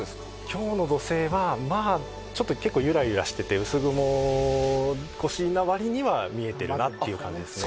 今日の土星は結構ゆらゆらしてて薄雲越しな割には見えているなという感じですね。